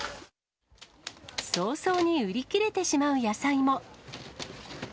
早々に売り切れてしまう野菜も。